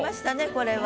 これは。